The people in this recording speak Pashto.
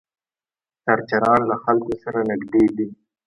سرچران له خلکو سره نږدې دي.